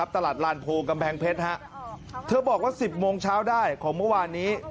ตลาดลานโพกำแพงเพชรเธอบอกว่า๑๐โมงเช้าได้ของเมื่อวานนี้